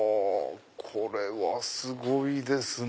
これはすごいですね。